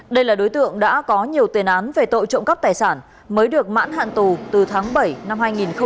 đây là đối tượng đã có nhiều tiền án về tội trộm cắp tài sản mới được mãn hạn tù từ tháng bảy năm hai nghìn một mươi chín